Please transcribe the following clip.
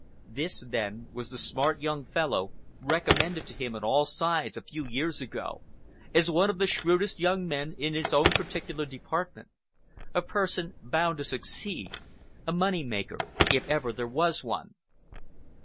This, then, was the smart young fellow recommended to him on all sides, a few years ago, as one of the shrewdest young men in his own particular department, a person bound to succeed, a money maker if ever there was one!